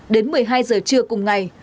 đến một mươi hai giờ trưa cùng ngày